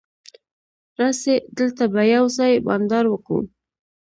راسئ! دلته به یوځای بانډار وکو.